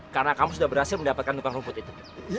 karena kamu sudah berhasil mendapatkan tukang rumput itu